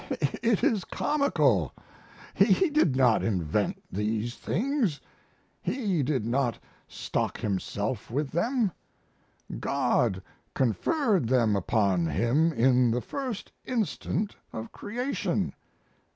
It is comical. He did not invent these things; he did not stock himself with them. God conferred them upon him in the first instant of creation.